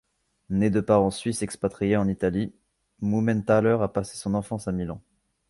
Né de parents suisses expatriés en Italie, Mumenthaler a passé son enfance à Milan.